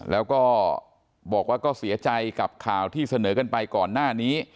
แล้วก็บอกว่าก็เสียใจกับข่าวที่เสนอกันไปก่อนหน้านี้